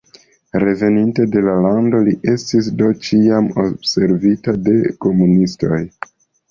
Reveninte al la lando li estis do ĉiam observita de komunistoj.